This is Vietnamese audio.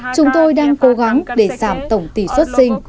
chúng tôi đang cố gắng để giảm tổng tỷ xuất sinh